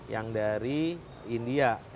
yang dari india